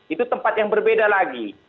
itu tempat yang berbeda lagi